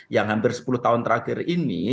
yang hampir sepuluh tahun terakhir ini